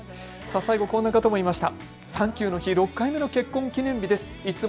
最後こんな方もいました。